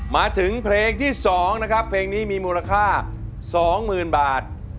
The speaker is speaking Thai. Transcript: มาถึงเพลงที่๒นะครับเพลงนี้มีมูลค่า๒๐๐๐บาท